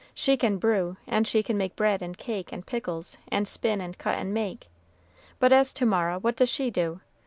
She can brew, and she can make bread and cake and pickles, and spin, and cut, and make. But as to Mara, what does she do?